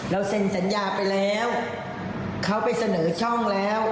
เซ็นสัญญาไปแล้วเขาไปเสนอช่องแล้ว